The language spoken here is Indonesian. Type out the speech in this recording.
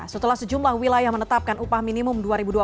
setelah sejumlah wilayah menetapkan upah minimum dua ribu dua puluh